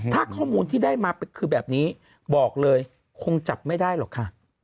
ถ้าข้อมูลที่ได้มาคือแบบนี้บอกเลยคงจับไม่ได้หรอกค่ะ